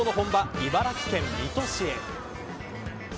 茨城県、水戸市へ。